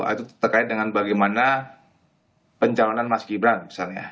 itu terkait dengan bagaimana pencalonan mas gibran misalnya